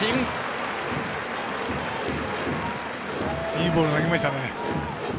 いいボール投げましたね。